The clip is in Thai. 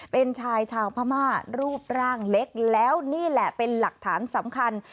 เป็นชายชาวพม่ารูปร่างเล็กแล้วนี่แหละเป็นหลักฐานสำคัญ